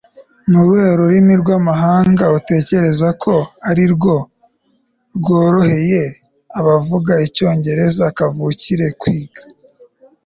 Ni uruhe rurimi rwamahanga utekereza ko arirwo rworoheye abavuga Icyongereza kavukire kwiga